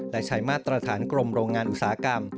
และใช้มาตรฐานกรมโรงงานอุตสาหกรรม